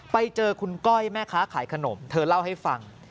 ไปเจอคุณก้อยแม่ค้าขายขนมเธอเล่าให้ฟัง